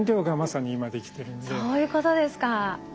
そういうことですか。